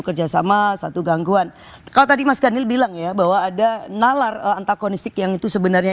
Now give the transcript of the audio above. kerjasama satu gangguan kalau tadi mas daniel bilang ya bahwa ada nalar antagonistik yang itu sebenarnya